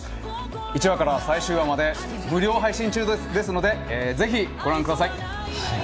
１話から最新話まで無料配信中ですので、ぜひご覧ください。